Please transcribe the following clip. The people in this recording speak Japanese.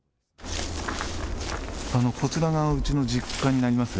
こちらがうちの実家になります。